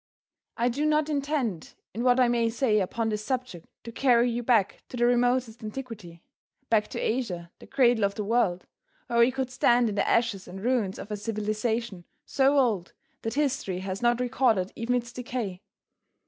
I do not intend in what I may say upon this subject to carry you back to the remotest antiquity, back to Asia, the cradle of the world, where we could stand in the ashes and ruins of a civilization so old that history has not recorded even its decay.